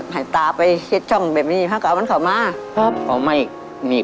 มันไม่ใช่อำนาจเขาแรมอมหนิ